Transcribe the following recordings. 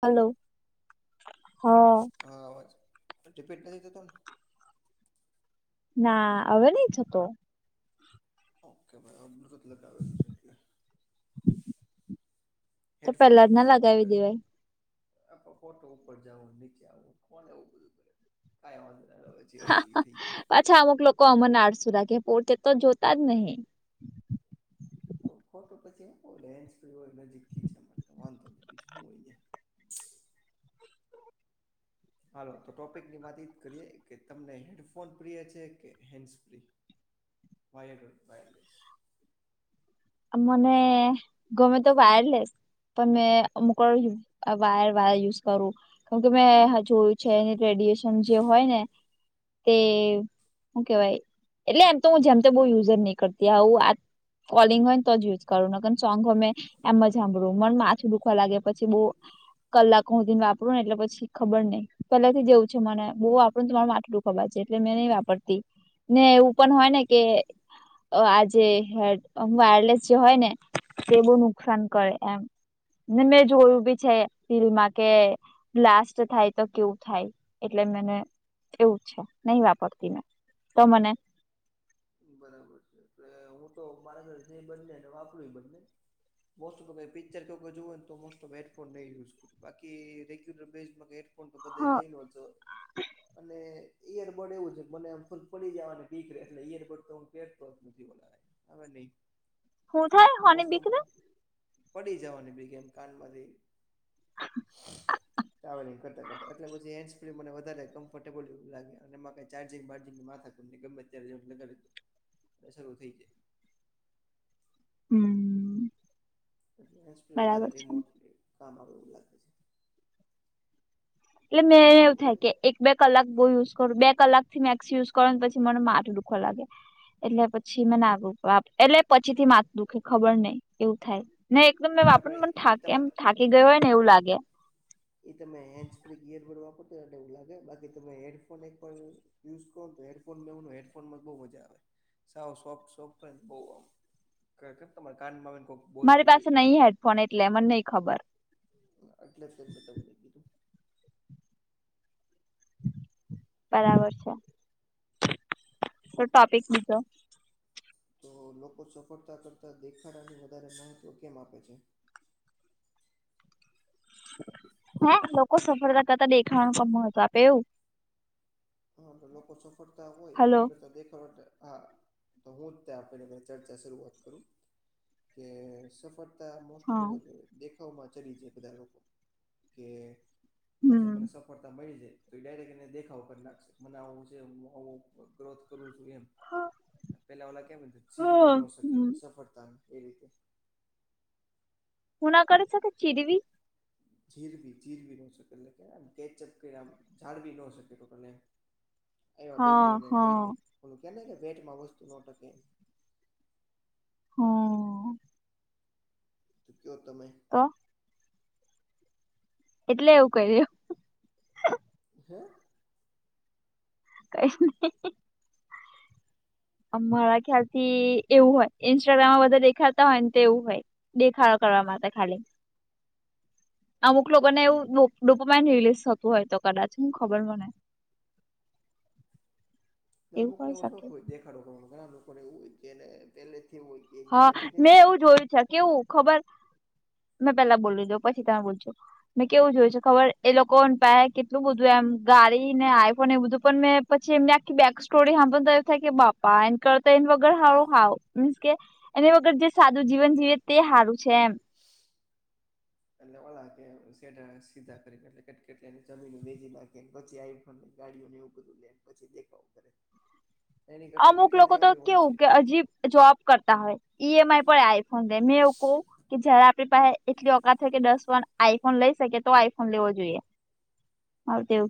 Hello હા. હા આવાજ રીપીટ નથી થતો ને ના હવે નહી થતો ઓકે ભાઈ હવે બ્લુટુથ લગાવેલું છે એટલે તો પેલા જ ના લગાવી દેવાય હ પણ ખોટું ઉપર જાવું નીચે આવું કોને એવું બધું કરે કાઈ વાંધો નહિ હવે જે હતું એ થઈ ગયું અચ્છા અમુક લોકો મને આડસુ લાગે કહે પોતે તો જોતા જ નહી તો ખોટો પછી એ લેન્સ તો નજીક ખીચવા માટે વાંધો નહી બીજું હું હોઈ ત્યાં હાલો તો ટોપિકની વાત એ જ કરીએ કે તમને હેડફોન પ્રિય છે કે હેન્ડસ ફ્રી વાયરડ વાયરલેસ આ મને ગમે તો વાયરલેસ પણ મેં અમુક વાયર વાયર વાળુ યુઝ કરું કેમ કે મેં હજુ જો વિચાર્યું છે એ રેડિએેશન જે હોય ને તે હુ કેવાય એટલે એમ તો ઉં જેમ તેમ બો યુઝ જ નઈ કરતી આવું આ કોલિંગ હોય ન તો જ યુઝ કરું નકર સોંગ હો મેં એમ જ હાંભળું મન માથું દુઃખવા લાગે પછી બો કલાક હુધીને વાપરું ને એટલે પછી ખબર નઈ પેલા થી જે એવું છે મને બો વાપરું તોમારુ માથુ દુઃ ખવા જે એટલે મેં નઇ વાપરતી ને એવું પણ હોય ને કે આ જે હેડ વાયરલેસ જે હોય ને તે બો નુકસાન કરે એમ ને મેં જોયું બી છે ટી વી માં કે બ્લાસ્ટ થાય તો કેવું થાય એટલે મને એવું છે નઈ વાપરતી મેં તો મને બરાબર છે એટલે ઉં તો મારા ઘરે છેય બંને ને વાપરુંય બંને મોસ્ટ ઓફ તો કઈ પિક્ચર કે એવુ કંઈ જોવુ હોય ને તો મોસ્ટ ઓફ હેડફોન ને યુઝ કરું બાકી રેગ્યુલર બેઝમાં હે ડફોન તો બધે હા લઈ નો જવાય અને ઈયરબડ એવુ છે કે મને આમ પડી જાવાની બીક રેે એટલે ઈયર બડ તો ઉં પેરતો જ નથી વધારે ખબર હું થાય નઈ હોની મોસ્ટ ઓફ બીક ઉં ને પડી જાવાની બીક એમ કાનમાંથી ટ્રાવેલિંગ કરતા કરતા એટલે પછી હેન્ડસ ફ્રી મને વધારે કમ્ફર્ટેબલ લાગ્યા અને એમાં કંઈ ચાર્જિંગ બાર્જિગની માથા નઇ ગમે ત્યારે જવા લગા એ શરૂ થઈ જાય હં એટલે હેન્ડસ ફ્રી વધારે રિમોટ કામ આવે એવું લાગે છે એટલે મેં તો એવું થાય કે એક બે કલાક બો યુઝ કરુ બે કલાક થી મેક્સ યુઝ કરુ ને પછી મને માથુ દુઃખવા લાગે એટલે પછી મેં ના [unintelligible] એટલે પછી થી માથુ દુઃખે ખબર નઈ એવું થાય ને એકદમ મેં ના વાપરુને પણ એ થા તમે એમ થાકી ગઈ હોય ને એવું લાગે એ તમે હેન્ડસ ફ્રી ઈયરબર્ડ વાપરતા એટલે એવું લાગે બાકી તમે હેડફોન એક પણ યુઝ કરો ને તો હેડફોન મા એવુ ના હોય હેડફોનમાં તો બઉ મજા આવે સાવ સોફ્ટ સોફ્ટ હોય ને બઉ આમ [unintelligible] તમાર કાનમાં હોય ને કોક મારી બોલતું પાસે નહી હેડફોન એટલે મને નઈ ખબર એટલે [unintelligible] મેં તમને કીધું બરાબર છે તો [unintelligible] ટોપિક લીધો તો લોકો સફળતા કરતા દેખાડાને વધારે મહત્વ કેમ આપે છે હેં લોકો સફળતા કરતા દેખાડીને બઉ મહત્ત્વ આપે એવું હા તો લોકો સફળતા હોય હલો એની કરતા દેખાડો તે આ અ હુ જ તે આપડે ચર્ચા શરૂઆત કરું કે સફળ તા મોસ્ટ હા ઓફ દેખાવમાં ચડી છે બધા લોકો કે આજે મને હમ સફળતા મયળી છે તો ડાયરેક્ટ એને દેખાવો કરી નાખ મનાવું છું ઉં ગ્રોથ કરું છું એમ હ પેલા ઓલા કેમ ઝીરવી ન શકે સફળતા એ રીતે હુ ના કરી શકે ચિરવી જીરવી જીરવી ન શકે એટલે કે કેચઅપ કંઈ આમ જાડવી ન શકે ટોટલ એમ આયવા હા ભેગું એને કહી હા દે ઓલુ કે ને કે પેટમાં વસ્તુ નો ટકે હં જો તમે તો એટલે એવું કરયુ હે [inaudible] મારા ખ્યાલ થી એવું હોય ઇન્સ્ટાગ્રામમાં બધા દેખાડતા હોય ને તેવું હોય. દેખાડો કરવા માટે ખાલી અમુક લોકોને એવું હા ડુપમાન રિલીઝ થતું હોય તો કદાચ હું ખબર મને અમુક તો કરી એવું શોખ શકે હોય દેખાડો કરવા ઘણા લોકોને એવું હોય જેને પહેલેથી હોય. કે હા એકબીજાને કે મેં એવું જોયું છે, કેવું ખબર હું પેલા બોલું જાવ પછી તમે બોલજો. મેં કેવું જોયું છે, ખબર એ લોકો પાહે કેટલું બધું એમ ગાડીને આઈફોન એ બધું પણ મેં પછી એમની આખી બેક સ્ટોરી હાભળતા એવું થાય કે બાપા એને કરતા એને વગર હારું ખાવું. કે એની વગર જે સાદું જીવન જીવે તે સારું છે, એમ એટલે ઓળ સેઢા સીધા કરીને એટકેની જમીન બેજી નાખી પછી આપ આપને ગાડીઓને એવું બધું લે પછી દેખાવું કરે, એની કરતા અમુક કેટલા લોકો તો દેવાય હોય કેવું છે કે હજીબ જોબ કરતા હોય, ઈ એમ આઈ પડે આઈફોન [unintelligible] મે એવું બવ કે જયારે આપણી એટલી ઓકાત હોય કે દસ વખત આઈફોન લઈ શકેએ તો આઈફોન લેવો જોઈએ. [inaudible]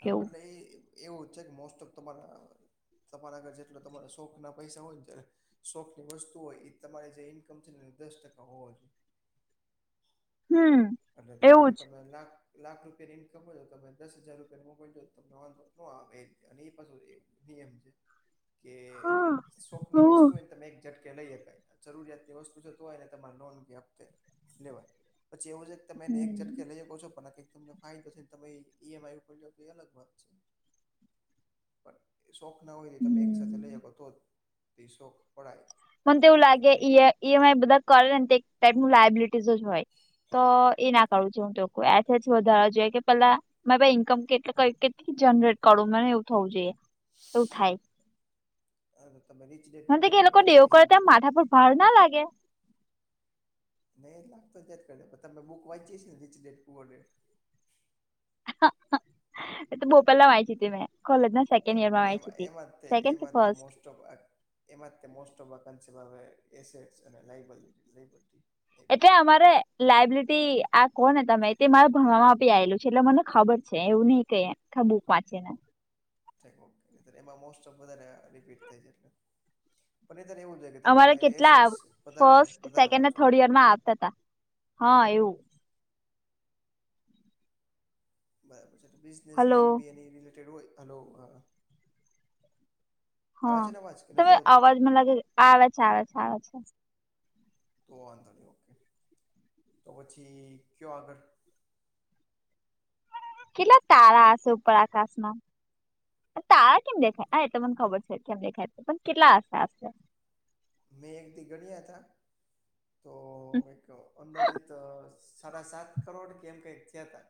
હા કેવું એટલે એ એવું છે, કે મોસ્ટ ઓફ તમારા તમારા આગર જેટલો તમારે શોખના પૈસા હોયને ત્યારે શોખની વસ્તુ હોયએ તમારે જે ઈન્કમ છે, એ દસ ટકા હોવું જોઈએ, હમ્મ એટલે ધારો કે તમે લાખ લાખ રૂપિયા ઇન્કમ હોય ને તો તમે દસ હજાર રૂપિયા મોકલજો તમને વાંધો ન આવે અને એ પાછું નિયમ છે, [inaudible] કે હમ શોકની વસ્તુ તમે એક જટ કે લઈ હકાઈ જરૂરિયાતની વસ્તુ છે તો તમારે લોન કે હપ્તે લેવાય. જેવું લે તમે નેચર હમ લઈકો છો, પણ તમને ફાયદો છે, તમે ઈ એમ આઈ ઉપર લ્યોતો એ અલગ વાત છે, પણ શોખના હોયતે તમે એક સાથે લઈ હગો તો જ તે શોખ પડાય. મને કે તો એવુ કરાય એમ લાગે ઈએ ઈ એમ આઈ બધા કરંટ એક ટાઈપનું લાયબિ [unintelligible] હોય તો એના કરાયું જોહું તો આજ વધારવા જોઈએ કે પેલાં મેં ભાઈ ઈનકમ કેટ કેટલી જનરેટ કરું મને એવું થવું જોઈએ એવું થાય. હાતો તમે રીચ ડેટ પૂર ડેટ વાંચી હશે બુકિં હા પણ ભાર ના લાગે. નહીં જ લાગતો તે કરે પણ તમે બુક વાંચીએ છે ને રીચ ડેટ પુવર ડેટ [inaudible] ઈ તો બોવ પેલા વાંચીતી મેં કોલેજના, એટલે એમાં એમાં તે, એમા તે ફર્સ્ટ મોસ એમાં તે મોસ્ટ ઓફ વેકેન્સી આવે એસએસ અને રાયફલ રાઇફલ્ટી એ ક્યાં અમારે લાયબિલિટી આ કોને તમે તે મારા ભણવામાં આપી આવેલું છે, એટલે મને ખબર છે, એવું નહિ કેમ. ઢબુ પાચેના ઠેક ઓમ નેતર એમાં મોસ્ટ ઓફ વધારે રિપીટ થાય છે, એટલે પણ નતર એવુંજો અમારે કેટલા ફર્સ્ટ વધારવા સેકન્ડને જોઈએ થર્ડ યરમાં આપતા હતા હા એવું, બરાબર છે, તો બિઝનેસ હલો નેમ ભી એની રિલેટેડ હોય હાલો. આવે હા છે ને અવાજ કે નથી તમે આવતો અવાજ મને લાગે આવે છે, આવે છે, આવે છે તો વાંધો નહીં, ઓકે તો પછી કયો આગળ કેટલા તારા હશે ઉપર આકાશમાં તારા કેમ દેખાય હા એતો મને ખબર છે, કેમ દેખાય તો પણ કેટલા આશરે મેં એકદી ગણ્યા હતા તો એક અંદાજીત અ સાડા સાત કરોડ કે એમ કંઈક થયા હતા,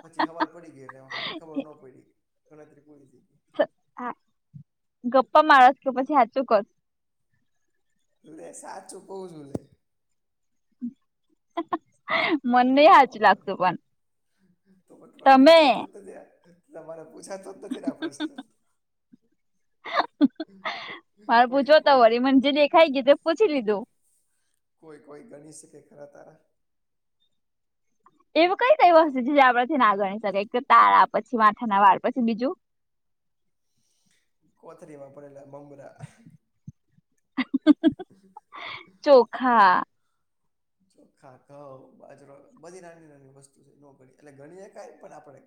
પછી સવાર પડી ગયું એમાં ખબર હશે નો પડી ગણતરી પૂરી થઈ ગઈ. હા ગપ્પા મારસ તું પછી હાચું કો લે સાચું કવ છું લે હા હા. ગપ્પા કોણ મારે તો તમને તો તમે પૂછાતું જ નથી યાર તમારે પૂછાતો જ નથી જ આ પ્રશ્ન મારે કોઈ પૂછવો તો કોઈ વળી મને જે દેખાઈ ગયું તે પૂછી લીધું કોઈ કોઈ ગણી શકે ખરા તારા એવી કઈ કઈ તમ વસ્તુ છે જે આપડથી ના ગણી શકાય તારા પછી માથાના વાળ પછી બીજું કોથરીમાં પડેલા મમરા [inaudible] [inaudible] ચોખા ચોખા ઘઉ બાજરો બધી નાની નાની વસ્તુ જે નો ગણી શકાય એટલે ગણી શકાય આપડે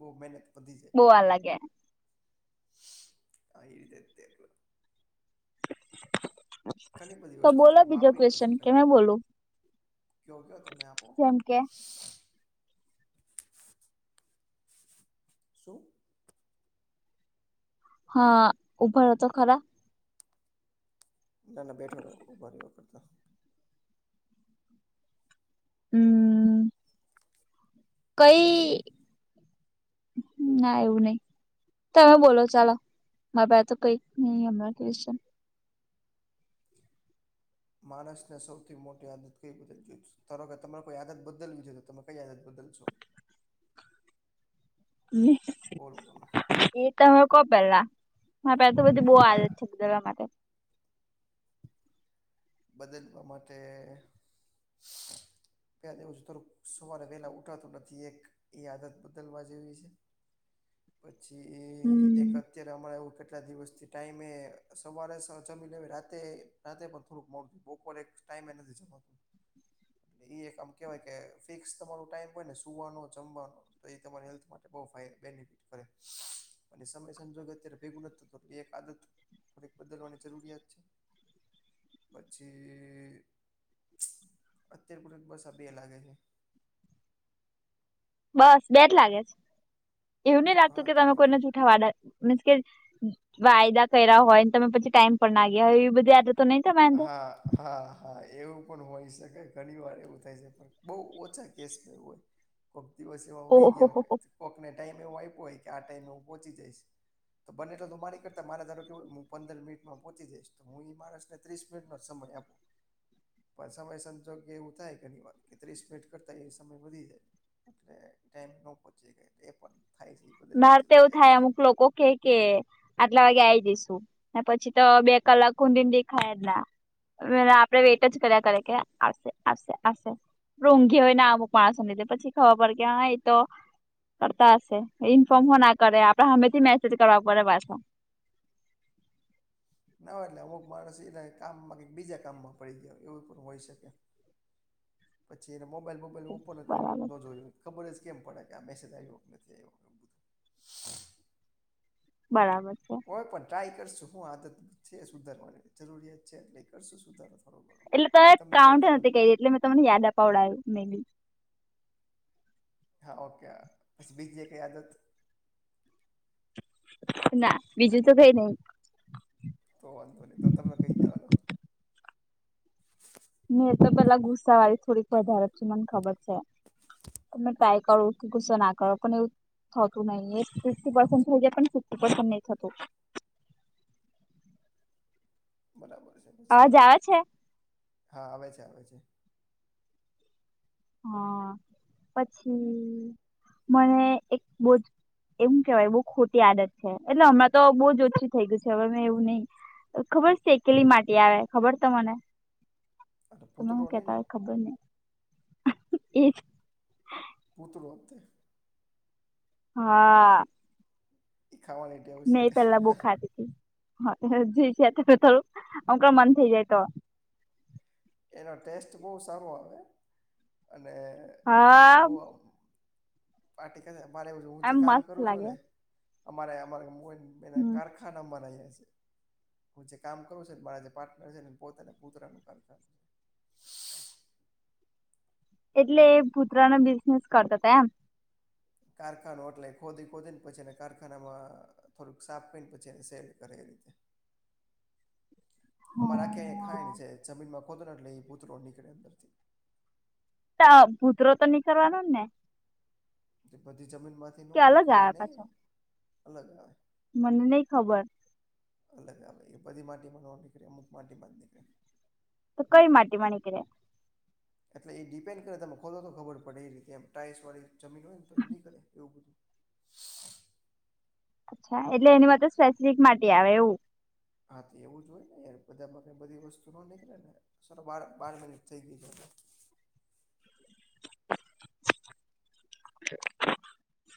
બહુ મહેનત વધી જાય બોવા લાગે હા એ રીતે જ તે ઘણી બધી તો વસ્તુ છે બોલો એવું બીજો માપી ન ક્વેશચન કે શકાય મે બોલું કયો કયો તમે આમ જેમ કે શું હા ઉભા રહ્યો તો ખરા ના ના બેઠો ઉભા રહેવા કરતા હમ્મ. કઈ ના એવું નહી તમે બોલો ચાલો મારી પાસે તો કઈ ભી નહી હમણાં ક્વેશચન માણસને સૌથી મોટી આદત કઈ ખબર છે ધારો કે તમારે કોઈ આદત બદલવી છે તો તમે કઈ આદત બદલશો [unintelligible] બોલો તમે એ તમે કહો પેલા મારી પાસે તો બધી એટલે બહુ કા આદત છે બદલવા માટે બદલવા માટે [inaudible] ક્યાં રેઉ છે સવારે વહેલા ઉઠાતું નથી એક એ આદત બદલવા જેવી છે. [inaudible] પછી એક હમ અત્યારે અમારે એવું કેટલા દિવસથી ટાઈમે સવારે જમી રાતે રાતે પણ થોડુંક મોડું બપોર એક ટાઈમ એ નથી જમાતું એક આમ કેવાય કે ફિક્સ તમારો ટાઈમ હોય ને સુવાનો જમવાનો તો એ તમારી હેલ્થ માટે બઉ બેનિફિટ કરે અને સમય સંજોગે અત્યારે ભેગું નથી થતું એક આદત થોડીક બદલવાની જરૂરિયાત છે પછી અત્યારે મને બસ આ બે લાગે છે બસ બે જ લાગે છે એવું નહી લાગતું કે તમે કોઈને જૂઠા વાદા મીન્સ કે વાયદા કર્યા હોય તમે પછી ટાઈમ પર ના ગ્યા હોય એવી બધી આદત તો નહી તમારી અંદર હા હા હા એવું પણ હોય શકે ઘણી વાર એવું થાય છે પણ બહુ ઓછા કેસ માં એવું હોય [inaudible] કોક દિવસ એવા ભી ગયા ઓહો હોય કોકને ટાઈમ એવો આપ્યો હોય કે આ ટાઈમ હું પહોંચી જઈશ તો બને એટલે તો મારી કરતા મારે ધારો કેવું હું પંદર મિનટમાં પહોચી જઈશ તો હું એ માણસ ને ત્રીસ મિનિટ નો સમય આપું પણ સમય સંજોગે એવું થાય ઘણી વાર કે ત્રીસ મિનિટ કરતા એ સમય વધી જાય એટલે ટાઈમ પર નો પહોંચી શકાય તો એ પણ થાય છે. બદલવાની મારે તો એવું જરૂરિયાત થાય છે અમુક લોકો કે કે આટલા વાગે આઈ જઈશું ને પછી તો બે કલાક હુધીન દેખાયા જ ના વેલા આવશે વેઇટ જ કર્યા કરે કે આવશે આવશે આવશે [unintelligible] હોય ને અમુક માણસો ને લીધે પછી ખબર પડે કે હ એ તો ફરતા હશે. ઇન્ફોર્મ હો ના કરે આપડે હામે થી મેસેજ કરવા પડે પાછો ના હોય એટલે અમુક માણસ એના એ કામમાં કંઈક બીજા કામમાં પડી ગયા હોય એવું પણ હોય શકે. પછી એને મોબાઈલ બોબાઈલે ઓપોને કરીને બરાબર ન જોયું હોય. ખબર જ કેમ પડે કે આ મેસેજ આવ્યો કે નથી આવ્યો આ બધું બરાબર છે. હોય પણ ટ્રાય કરશું હું આદત છે સુધારવાની જરૂરિયાત છે એટલે કરશું સુધારવા એટલે તમે કાઉન્ટ એ નથી કયરી એટલે મેં તમને યાદ અપાવડાવ્યું મેનલી. હા ઓકે હા પછી બીજી કઈ આદત. ના બીજું તો કઈ નહિ. તો વાંધો નહી તો તમે કઈ જવા દ્યો ને એ તો પેલા ગુસ્સાવાળી થોડીક વધારે છે મને ખબર છે. તો મે ટ્રાય કરું કે ગુસ્સો ના કરો પણ એવું થતું નહી એક ફીફટી પર્સેન્ટ થઈ જાય પણ ફિફટી પર્સેન્ટ નહી થતું. બરાબર છે પછી અવાજ આવે છે હા આવે છે આવે છે. હા પછી મને એક બોજ એવું કેવાય બહુ ખોટી આદત છે એટલે હમણાં તો બહુ જ ઓછી થઈ ગયું છે હવે મેં એવું નહી ખબર છે કેલી માટી આવે ખબર તમને અને તમે પૂતળો હું નહી કેતા ને હોય ખબર નહી એજ. હું તો લોક તે હા. ઈ ખાવાની ટેવ મે એ છે પેલા બો ખાતી તી અત્યારે તો જે છે એ થોડુંક મન થઈ જાય તો. એનો ટેસ્ટ બહુ સારો આવે અને એ હા. બહુ આમ પાર્ટી કરે અમારે જોવું એમ છે કામ મસ્ત કરો છો લાગે ને અમારે અમારે મો બે ના હમ કારખાનામાં રહે છે હું જે કામ કરું છું ને મારા જે પાર્ટનર છે ને પોતાને પૂતરાનું કામ ચાલુ એટલે એ પુત્ર નો બિઝનેસ કરતા હતા એમ. કારખાનો એટલે ખોદી ખોદીને પછી એને કારખાનામાં થોડુંક સાફ કરીને પછી સેટ કરે એ રીતે... અમારે આખે અયા ખાઈણ છે જમીનમાં ખોદો ને એટલે એ પૂતળો નીકળે અંદરથી.. ત ભૂતરો તો નીકરવાનો જ ને. તે બધી જમીન માંથી ન કે અલગ આવે નીકળેને પાછો અલગ આવે.... મને નહી ખબર. અલગ આવે એ બધી માટીમાં ન નીકળે અમુક માટી માંજ નીકળે. કઈ માટી માં નીકળે? એટલે ઈ ડિપેન્ડ કરે તમે ખોદો તો ખબર પડે એ રીતે એમ ટાઇસ વાળી જમીન હોય ને તો એ નીકળે એવું બધું... [unintelligible] એટલે એની માટે સ્પેસિફિક માટી આવે એવું. હા તો એવું જ હોય ને યાર બધા માં કઈ બધી વસ્તુ ન નીકળે ને ચાલ બાર-બાર મિનિટ થઈ ગય. [inaudible]